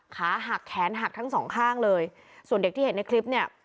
ขาหักแขนหักทั้งสองข้างเลยส่วนเด็กที่เห็นในคลิปเนี่ย